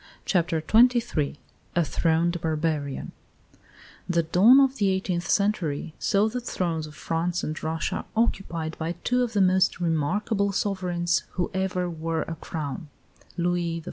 CHAPTER XXIII A THRONED BARBARIAN The dawn of the eighteenth century saw the thrones of France and Russia occupied by two of the most remarkable sovereigns who ever wore a crown Louis XIV.